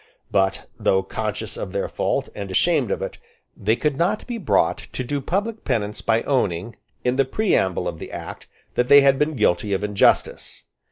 But, though conscious of their fault and ashamed of it, they could not be brought to do public penance by owning, in the preamble of the Act, that they had been guilty of injustice.